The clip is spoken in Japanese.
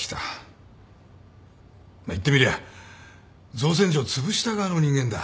まあ言ってみりゃ造船所をつぶした側の人間だ。